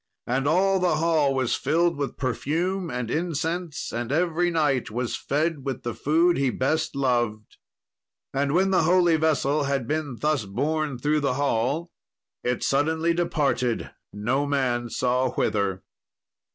And all the hall was filled with perfume and incense, and every knight was fed with the food he best loved. And when the holy vessel had been thus borne through the hall, it suddenly departed, no man saw whither.